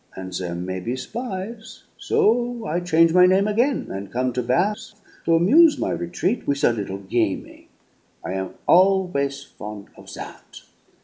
And there may be spies; so I change my name again, and come to Bath to amuse my retreat with a little gaming I am always fond of that.